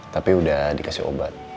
tapi udah dikasih obat